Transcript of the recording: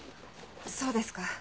そうですか。